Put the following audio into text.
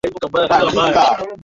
Kwenye moto ya majaribu usichomeke.